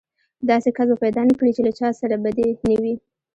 داسې کس به پيدا نه کړې چې له چا سره يې بدي نه وي.